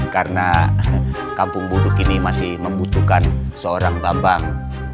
karena kampung buduk ini masih membutuhkan seorang bambang